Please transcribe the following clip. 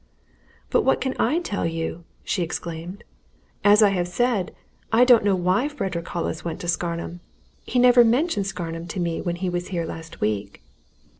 "But what can I tell you?" she exclaimed. "As I have said, I don't know why Frederick Hollis went to Scarnham! He never mentioned Scarnham to me when he was here last week."